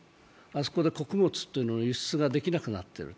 あそこで穀物の輸出ができなくなっている。